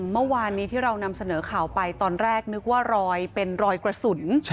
เมื่อวานนี้ที่เรานำเสนอข่าวไปตอนแรกนึกว่ารอยเป็นรอยกระสุน